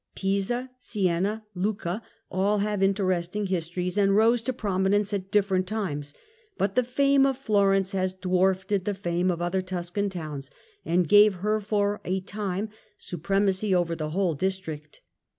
Pisa, Siena, Lucca all have interesting histories, and rose to prominence at different times ; but the fame of Florence has dwarfed the fame of other Tuscan towns, and gave her for a time supremacy over the whole district.